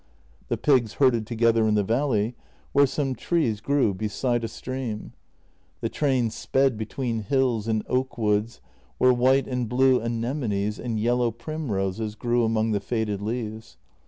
The pigs herded together in the valley, where some trees grew beside a JENNY 302 stream. The train sped between hills and oak woods where white and blue anemones and yellow primroses grew among the faded leaves.